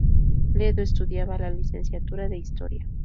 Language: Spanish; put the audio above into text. Ledo estudiaba la licenciatura de Historia.